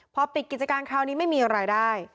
พอปิดกิจการคราวนี้ไม่มีรายได้